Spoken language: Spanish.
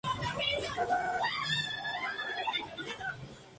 La localidad tipo es: "Venezuela" sin localización exacta.